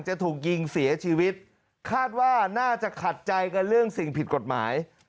จะถูกยิงเสียชีวิตคาดว่าน่าจะขัดใจกันเรื่องสิ่งผิดกฎหมาย